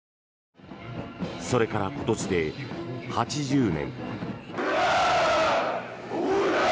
それから今年で８０年。